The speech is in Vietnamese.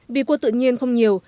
vì cua tự nhiên không nhiều